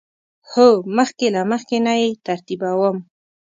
هو، مخکې له مخکی نه یی ترتیبوم